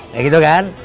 kayak gitu kan